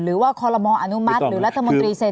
คอลโมอนุมัติหรือรัฐมนตรีเซ็น